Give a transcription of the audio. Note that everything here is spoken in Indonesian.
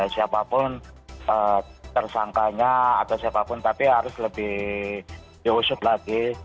siapapun tersangkanya atau siapapun tapi harus lebih diusut lagi